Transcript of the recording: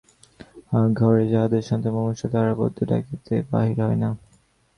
ঘরে যাহাদের সন্তান মুমূর্ষু তাহারা বৈদ্য ডাকিতে বাহির হয় না।